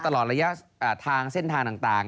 ตลอดระยะทางเส้นทางต่าง